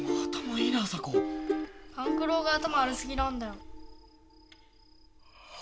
勘九郎が頭悪すぎなんだよ。